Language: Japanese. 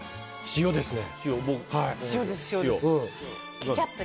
塩ですね。